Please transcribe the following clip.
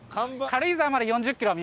軽井沢まで４０キロ？